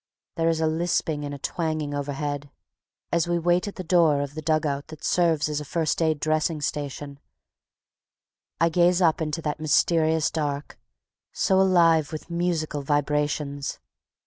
There is a lisping and a twanging overhead. As we wait at the door of the dugout that serves as a first aid dressing station, I gaze up into that mysterious dark, so alive with musical vibrations.